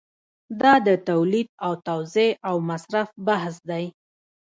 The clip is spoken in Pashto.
دا د تولید او توزیع او مصرف بحث دی.